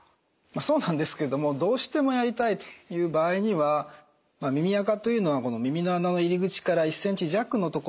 そうなんですけれどもどうしてもやりたいという場合には耳あかというのは耳の穴の入り口から１ｃｍ弱のところにたまります。